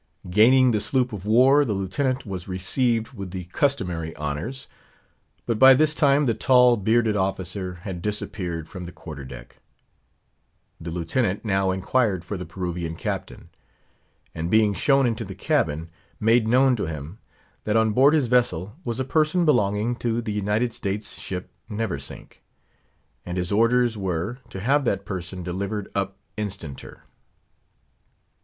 Gaining the sloop of war, the lieutenant was received with the customary honours; but by this time the tall, bearded officer had disappeared from the Quarter deck. The Lieutenant now inquired for the Peruvian Captain; and being shown into the cabin, made known to him, that on board his vessel was a person belonging to the United States Ship Neversink; and his orders were, to have that person delivered up instanter.